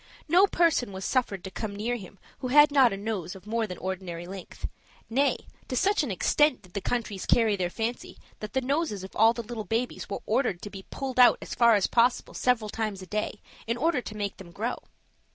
No person was suffered to come near him who had not a nose of more than ordinary length; nay, to such an extent did the countries carry their fancy, that the noses of all the little babies were ordered to be pulled out as far as possible several times a day, in order to make them grow.